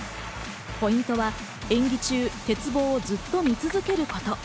ポイントは演技中、鉄棒をずっと見続けること。